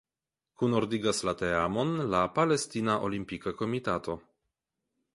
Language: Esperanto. Kunordigas la teamon la Palestina Olimpika Komitato.